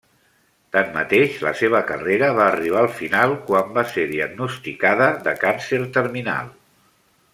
Tanmateix, la seva carrera va arribar al final quan va ser diagnosticada de càncer terminal.